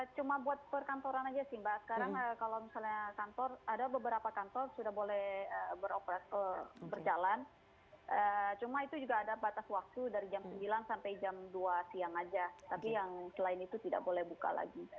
cuma buat perkantoran aja sih mbak sekarang kalau misalnya kantor ada beberapa kantor sudah boleh berjalan cuma itu juga ada batas waktu dari jam sembilan sampai jam dua siang aja tapi yang selain itu tidak boleh buka lagi